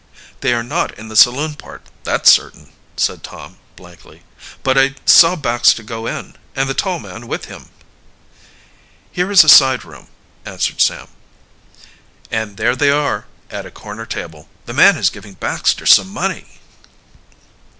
"They are not in the saloon part, that's certain," said Tom blankly. "But I saw Baxter go in, and the tall man with him." "Here is a side room," answered Sam. "And there they are, at a corner table. The man is giving Baxter some money!"